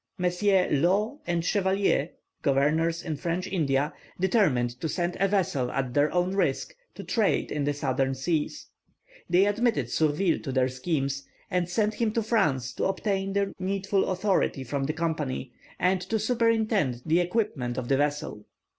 Messrs. Law and Chevalier, governors in French India, determined to send a vessel at their own risk to trade in the southern seas. They admitted Surville to their schemes, and sent him to France to obtain the needful authority from the Company, and to superintend the equipment of the vessel.